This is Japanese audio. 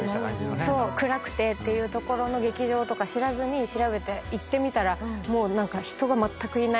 暗くてっていう所の劇場とか知らずに調べて行ってみたらもう何か。